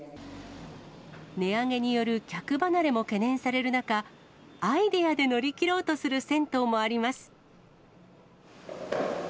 値上げによる客離れも懸念される中、アイデアで乗り切ろうとする銭湯もあります。